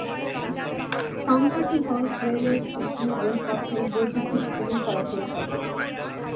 সংহতি halt railway স্টেশনের রেলপথে বৈদ্যুতীক ট্রেন চলাচল করে।